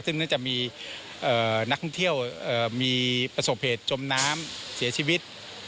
ซึ่งน่าจะมีนักท่องเที่ยวมีประสบเหตุจมน้ำเสียชีวิต